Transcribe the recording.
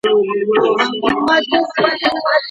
ټولنیز چاپیریال د ماشوم شخصیت جوړوي.